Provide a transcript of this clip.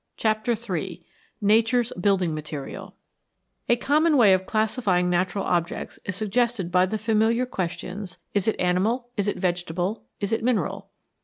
CHAPTER III NATURE'S BUILDING MATERIAL A COMMON way of classifying natural objects is suggested by the familiar questions " Is it animal ?"" Is it vegetable ?"" Is it mineral